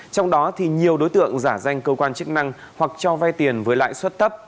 trong đó thì nhiều đối tượng giả danh cơ quan chức năng hoặc cho vai tiền với lại xuất tấp